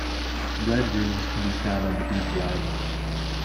Red Rooms can be found on the deep web.